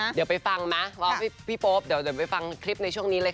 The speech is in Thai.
เดี๋ยวไปฟังนะว่าพี่โป๊ปเดี๋ยวไปฟังคลิปในช่วงนี้เลยค่ะ